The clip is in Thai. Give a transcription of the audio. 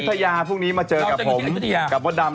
ทำให้ลาแล้ว